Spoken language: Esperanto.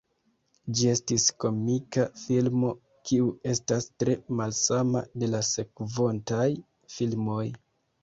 Ĝi estis komika filmo, kiu estas tre malsama de la sekvontaj filmoj.